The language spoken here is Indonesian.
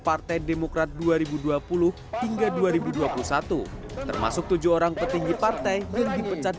partai demokrat dua ribu dua puluh hingga dua ribu dua puluh satu termasuk tujuh orang petinggi partai yang dipecat